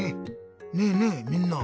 ねえねえみんな。